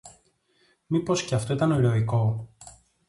Μήπως και αυτό ήταν ηρωικό;